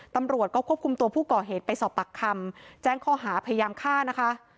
ตำรวจก็ควบคุมตัวผู้ก่อเหตุไปสอบปากคำแจ้งข้อหาพยายามฆ่านะคะ